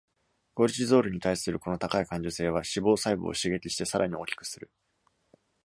コルチゾールに対するこの高い感受性は、脂肪細胞を刺激してさらに大きくする。